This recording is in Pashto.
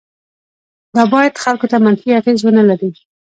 دا باید خلکو ته منفي اغیز ونه لري.